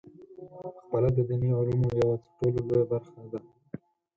پخپله د دیني علومو یوه ترټولو لویه برخه ده.